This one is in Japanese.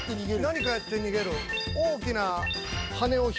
何かやって逃げる。